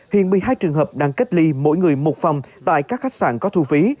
hiện một mươi hai trường hợp đang cách ly mỗi người một phòng tại các khách sạn có thu phí